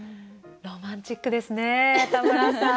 ロマンチックですね田村さん。